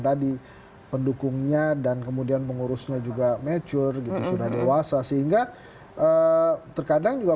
tadi pendukungnya dan kemudian pengurusnya juga mature gitu sudah dewasa sehingga terkadang juga